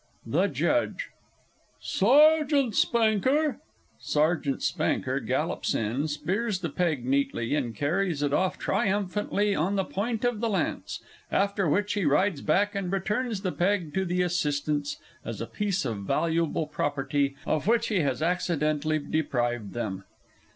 THE JUDGE. Sergeant Spanker! (Sergeant S. _gallops in, spears the peg neatly, and carries it off triumphantly on the point of the lance, after which he rides back and returns the peg to the Assistants as a piece of valuable property of which he has accidentally deprived them.